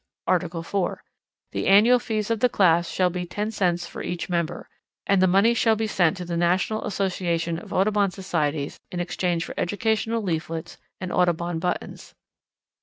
Article 4. The annual fees of the class shall be 10 cents for each member; and the money shall be sent to the National Association of Audubon Societies in exchange for Educational Leaflets and Audubon Buttons.